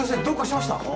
どうかしました？